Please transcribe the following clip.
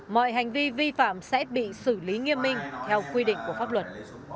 mọi hành vi vi phạm sẽ bị xử lý nghiêm minh theo quy định của pháp luật